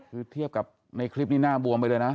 คือเทียบกับในคลิปนี้หน้าบวมไปเลยนะ